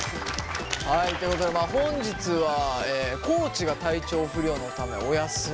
はいということで本日は地が体調不良のためお休み。